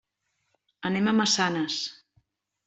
Anem a Massanes.